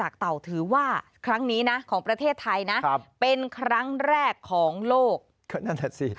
ก็นั่นแหละสิ